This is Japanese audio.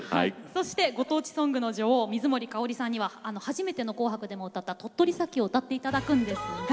そしてご当地ソングの女王水森かおりさんには初めての「紅白」でも歌われました「鳥取砂丘」を歌っていただきます。